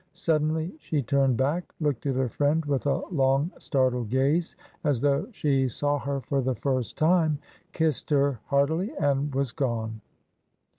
Suddenly she turned back, looked at her friend with a long, startled gaze, as though she saw her for the first time, kissed her heartily, and was gone.